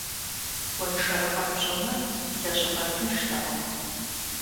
Гуэншэрыкъыр пщӀыныр лэжьыгъэ тынштэкъым.